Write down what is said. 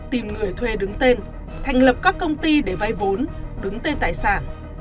tìm người thuê đứng tên thành lập các công ty để vay vốn đứng tên tài sản